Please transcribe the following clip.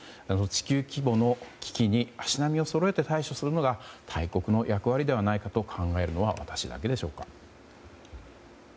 地球規模の危機に足並みをそろえて対処するのが大国の役割ではないかと考えるのは私だけでしょうか。